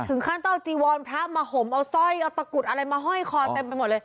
ท่านต้องเอาจีวรพระมาห่มเอาสร้อยเอาตะกุดอะไรมาห้อยคอเต็มไปหมดเลย